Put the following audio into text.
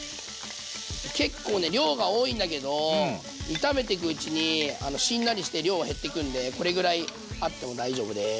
結構ね量が多いんだけど炒めてくうちにしんなりして量は減ってくんでこれぐらいあっても大丈夫です。